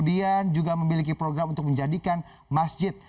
kemudian juga memiliki program untuk menjadikan masjid